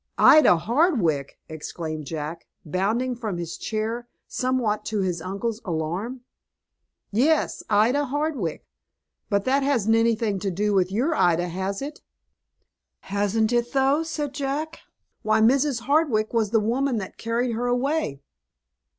"Ida Hardwick!" exclaimed Jack, bounding from his chair, somewhat to his uncle's alarm. "Yes, Ida Hardwick. But that hasn't anything to do with your Ida, has it?" "Hasn't it, though?" said Jack. "Why, Mrs. Hardwick was the woman that carried her away."